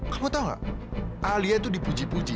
kamu tahu nggak alia itu dipuji puji